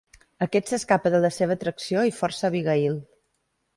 Aquest s'escapa de la seva atracció i força a Abigail.